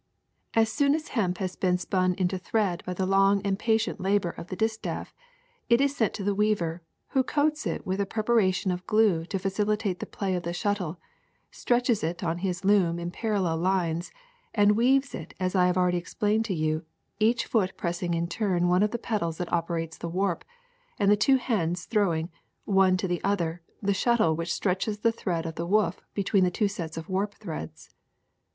NAPERY 55 ^^ As soon as hemp has been spun into thread by the long and patient labor of the distaff, it is sent to the weaver, who coats it with a preparation of glue to facilitate the play of the shuttle, stretches it on his loom in parallel lines, and weaves it as I have al ready explained to you, each foot pressing in turn one of the pedals that operate the warp, and the two hands throwing, one to the other, the shuttle which stretches the thread of the woof between the two sets of warp threads.